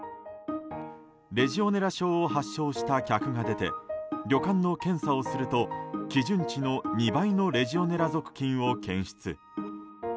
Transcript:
レジオネラ症を発症した客が出て旅館の検査をすると基準値の２倍のレジオネラ属菌を検出。